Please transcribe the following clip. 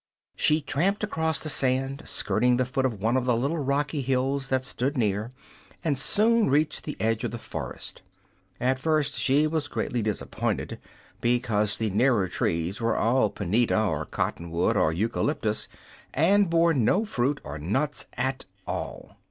She tramped across the sand, skirting the foot of one of the little rocky hills that stood near, and soon reached the edge of the forest. At first she was greatly disappointed, because the nearer trees were all punita, or cotton wood or eucalyptus, and bore no fruit or nuts at all.